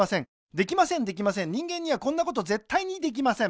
できませんできません人間にはこんなことぜったいにできません